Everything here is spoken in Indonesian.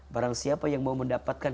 barang siapa yang mau mendapatkan